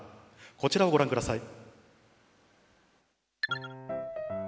こちらをご覧ください。